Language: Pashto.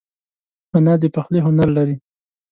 انا د پخلي هنر لري